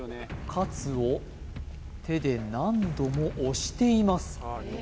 カツを手で何度も押しています